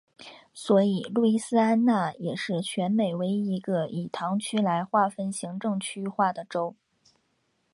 所以路易斯安那也是全美唯一一个以堂区来划分行政区划的州。